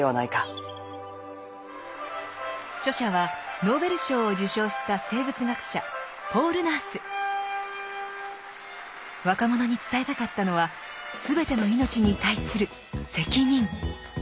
著者はノーベル賞を受賞した生物学者若者に伝えたかったのはすべての命に対する「責任」。